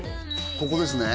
ここですね？